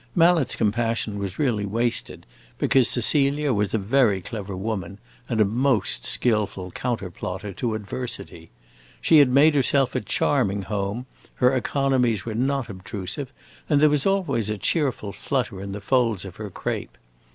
Mallet's compassion was really wasted, because Cecilia was a very clever woman, and a most skillful counter plotter to adversity. She had made herself a charming home, her economies were not obtrusive, and there was always a cheerful flutter in the folds of her crape.